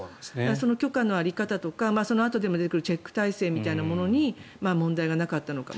その許可の在り方とかそのあとにも出てくるチェック体制みたいなものに問題がなかったのか。